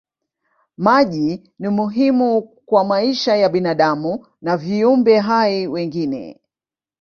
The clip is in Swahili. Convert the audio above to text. Maji ni muhimu kwa maisha ya binadamu na viumbe hai wengine.